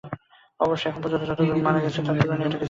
অবশ্য এখন পর্যন্ত যতজন মারা গেছে সেই তুলনায় এটা কিছুই নয়।